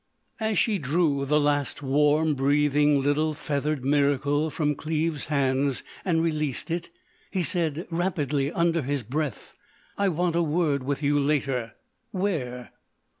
As she drew the last warm, breathing little feathered miracle from Cleves's hands and released it, he said rapidly under his breath: "I want a word with you later. Where?"